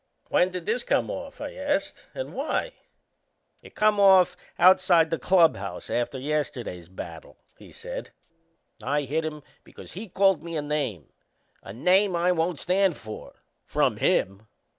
"When did this come off?" I asked. "And why?" "It come off outside the clubhouse after yesterday's battle," he said; " and I hit him because he called me a name a name I won't stand for from him."